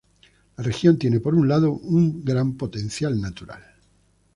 La región tiene por un lado un gran potencial natural.